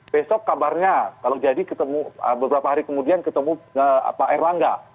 besok kabarnya kalau jadi ketemu beberapa hari kemudian ketemu pak erlangga